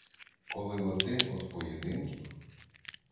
Коли Латин од поєдинків